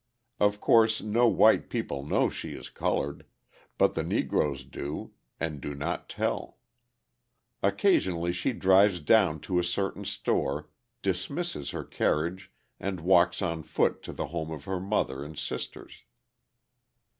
Of course, no white people know she is coloured, but the Negroes do, and do not tell. Occasionally she drives down to a certain store, dismisses her carriage and walks on foot to the home of her mother and sisters.